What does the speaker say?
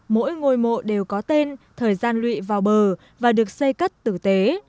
mỗi ngôi mộ đều có tên thời gian lụy vào bờ và được xây cất tử tế